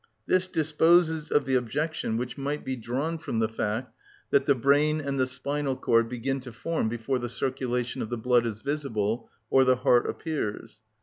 This disposes of the objection which might be drawn from the fact that the brain and the spinal cord begin to form before the circulation of the blood is visible or the heart appears.